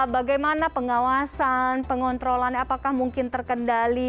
bagaimana pengawasan pengontrolannya apakah mungkin terkendali